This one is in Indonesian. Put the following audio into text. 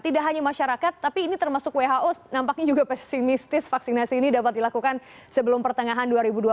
tidak hanya masyarakat tapi ini termasuk who nampaknya juga pesimistis vaksinasi ini dapat dilakukan sebelum pertengahan dua ribu dua puluh satu